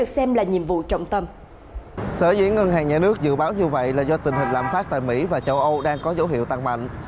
sở dữ ngân hàng nhà nước dự báo như vậy là do tình hình lạm phát tại mỹ và châu âu đang có dấu hiệu tăng mạnh